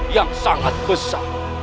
yang sangat besar